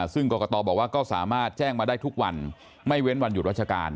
ซึ่งกรกตบอกว่าก็สามารถแจ้งมาได้ทุกวันไม่เว้นวันหยุดราชการ